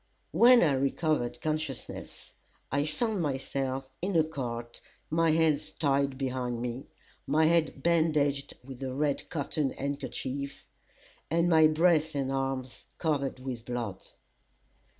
When I recovered consciousness, I found myself in a cart, my hands tied behind me, my head bandaged with a red cotton handkerchief, and my breast and arms covered with blood.